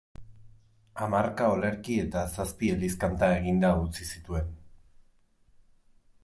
Hamarka olerki eta zazpi eliz-kanta eginda utzi zituen.